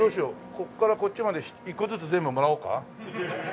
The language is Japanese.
ここからこっちまで１個ずつ全部もらおうか？